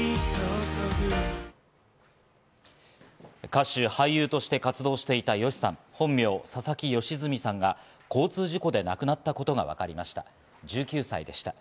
歌手・俳優として活動していたＹＯＳＨＩさん、本名・佐々木嘉純さんが交通事故で亡くなったことがわかりました。